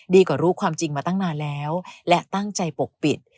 กว่ารู้ความจริงมาตั้งนานแล้วและตั้งใจปกปิด